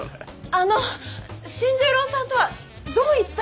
あの新十郎さんとはどういった。